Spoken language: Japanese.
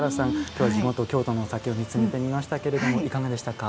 今日は地元京都のお酒を見つめてみましたけれどもいかがでしたか？